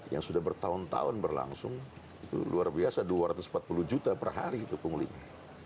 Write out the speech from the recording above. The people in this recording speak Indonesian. yang sudah bertahun tahun berlangsung itu luar biasa dua ratus empat puluh juta per hari itu punglinya